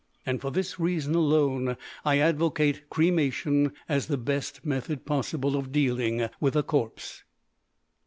And, for this reason alone, I advocate cremation as the best method possible of dealing with a corpse.